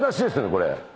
⁉これ。